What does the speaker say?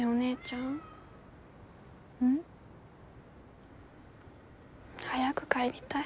ん？早く帰りたい。